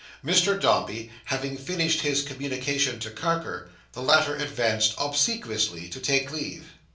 Mr Dombey having finished his communication to Carker, the latter advanced obsequiously to take leave.